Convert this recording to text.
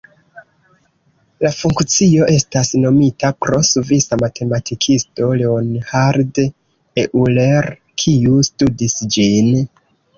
La funkcio estas nomita pro svisa matematikisto Leonhard Euler, kiu studis ĝin.